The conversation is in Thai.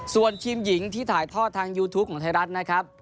ส่วนทีมหญิงที่ถ่ายทอดทางยูทูปของไทยรัฐนะครับ